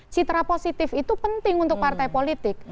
citra positif itu penting untuk partai politik